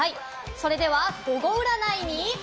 それではゴゴ占いに。